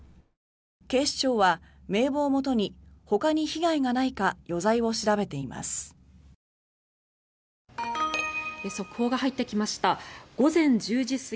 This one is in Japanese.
警視庁は名簿をもとにほかに被害がないか余罪を調べています。